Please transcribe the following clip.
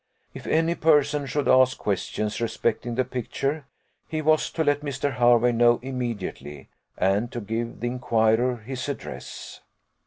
If any person should ask questions respecting the picture, he was to let Mr. Hervey know immediately, and to give the inquirer his address.